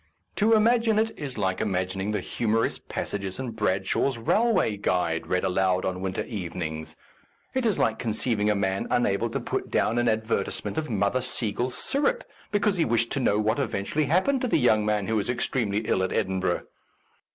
To im agine it is like imagining the humorous passages in Bradshaw's Railway Guide read aloud on winter evenings. It is like conceiving a man unable to put down an advertisement of Mother Seigel's Syrup be cause he wished to know what eventually happened to the young man who was ex tremely ill at Edinburgh.